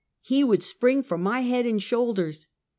He would spring for my head and shoulders.